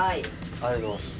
ありがとうございます。